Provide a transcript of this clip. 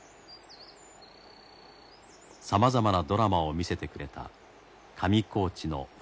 さまざまなドラマを見せてくれた上高地の冬の終わりです。